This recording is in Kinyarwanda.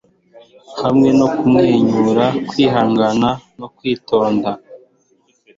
hamwe no kumwenyura, kwihangana no kwitonda